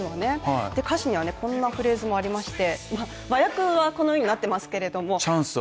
歌詞にはこんなフレーズもありまして和訳はこのようになっていますけれども。